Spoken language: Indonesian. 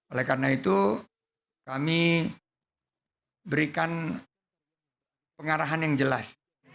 oleh karena itu kami berikan pengarahan yang jelas